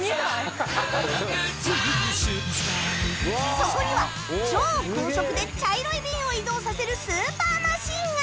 そこには超高速で茶色いビンを移動させるスーパーマシンが